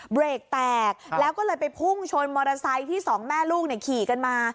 เบรกแตกแล้วก็เลยไปพุ่งชนมอเตอร์ไซค์ที่สองแม่ลูกขี่กันมา